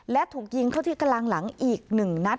และถูกยิงเข้าที่กลางหลังอีก๑นัด